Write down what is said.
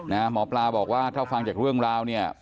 หมอปลาบอกว่าถ้าฟังจากเรื่องราวเนี่ย